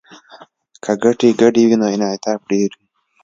که ګټې ګډې وي نو انعطاف ډیر وي